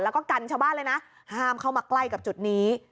แล้วก็กันชาวบ้านเลยนะห้ามเข้ามาใกล้กับจุดนี้